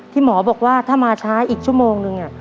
ที่หมอบอกว่าถ้ามาช้าอีกชั่วโมงหนึ่งน่ะ